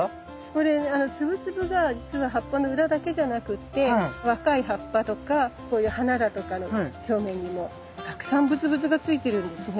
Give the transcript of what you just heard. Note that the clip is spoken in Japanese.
これツブツブがじつは葉っぱの裏だけじゃなくって若い葉っぱとかこういう花だとかの表面にもたくさんブツブツがついてるんですね。